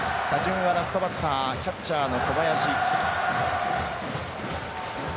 打順はラストバッターキャッチャーの小林。